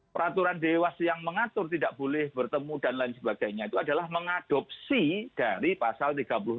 peraturan dewas yang mengatur tidak boleh bertemu dan lain sebagainya itu adalah mengadopsi dari pasal tiga puluh enam